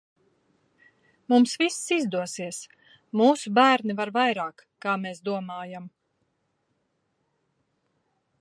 Mums viss izdosies, mūsu bērni var vairāk kā mēs domājam!